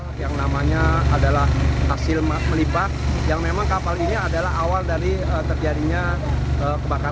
lantaran lambung kapal penuh terisi air